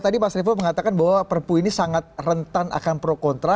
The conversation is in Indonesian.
jadi saya ingin mengatakan bahwa perpu ini sangat rentan akan pro kontra